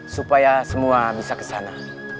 supaya semua bisa ke sana